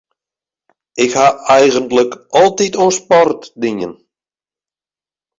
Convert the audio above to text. Ik ha eigentlik altyd oan sport dien.